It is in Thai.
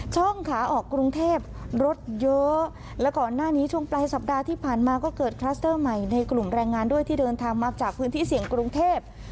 ขาออกกรุงเทพรถเยอะและก่อนหน้านี้ช่วงปลายสัปดาห์ที่ผ่านมาก็เกิดคลัสเตอร์ใหม่ในกลุ่มแรงงานด้วยที่เดินทางมาจากพื้นที่เสี่ยงกรุงเทพ